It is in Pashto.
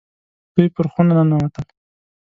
دوی پر خونه ننوتل.